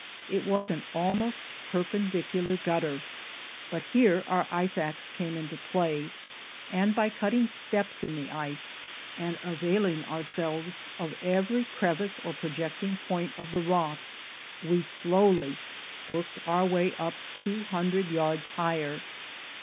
It was an almost perpendicular gutter, but here our ice axe came into play, and by cutting steps in the ice and availing ourselves of every crevice or projecting point of the rock, we slowly worked our way up two hundred yards higher.